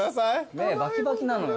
目バキバキなのよ。